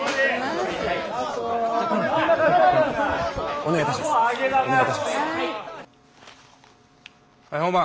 お願いいたします。